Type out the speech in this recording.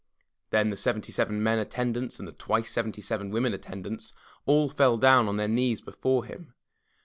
Then the seventy seven men attendants and the twice seventy seven women attendants all fell down on their knees before him.